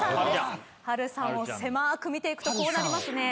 波瑠さんを狭く見ていくとこうなりますね。